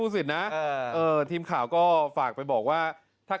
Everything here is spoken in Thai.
รูปนั้นอะหาให้พี่ภูศิษย์เห็นมากิน